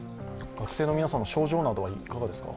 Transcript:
学生の皆さんの症状などはいかがですか？